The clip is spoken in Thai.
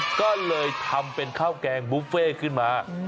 ก็เลยทำเป็นข้าวแกงบุฟเฟ่ขึ้นมา